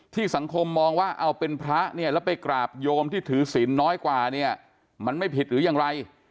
ที่สังคมมองว่าเอาเป็นพระแล้วไปกราร์บโยมที่ถือสินน้อยกว่ามันไม่ผิดหรือยังไร